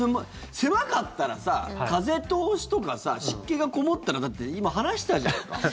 狭かったらさ、風通しとかさ湿気がこもったらだって今、話したじゃん。